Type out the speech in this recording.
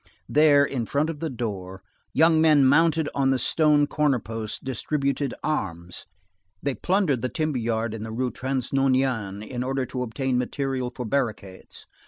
There, in front of the door, young men mounted on the stone corner posts, distributed arms. They plundered the timber yard in the Rue Transnonain in order to obtain material for barricades.